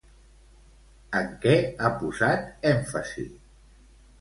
En què ha posat èmfasi?